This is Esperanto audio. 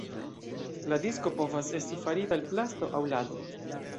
La disko povas esti farita el plasto aŭ lado.